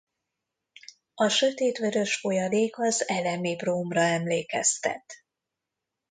A sötétvörös folyadék az elemi brómra emlékeztet.